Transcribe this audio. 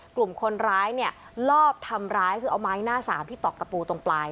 กลุ่มคนร้ายเนี่ยลอบทำร้ายคือเอาไม้หน้าสามที่ตอกตะปูตรงปลาย